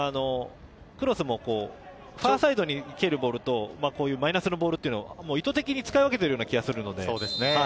クロスもファーサイドに切るボールとマイナスのボールというのは意図的に使い分けているような気がするので。